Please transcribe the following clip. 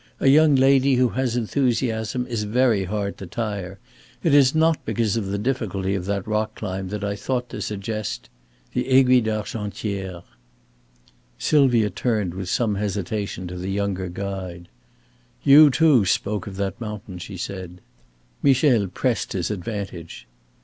A young lady who has enthusiasm is very hard to tire. It is not because of the difficulty of that rock climb that I thought to suggest the Aiguille d'Argentière." Sylvia turned with some hesitation to the younger guide. "You too spoke of that mountain," she said. Michel pressed his advantage.